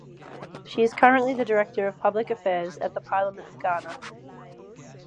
She is currently the Director of Public Affairs of the Parliament of Ghana.